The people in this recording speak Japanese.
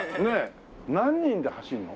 何人で走るの？